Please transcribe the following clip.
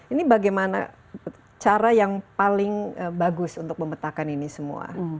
ini bagaimana cara yang paling bagus untuk memetakan ini semua